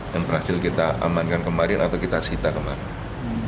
berhasil kita amankan kemarin atau kita sita kemarin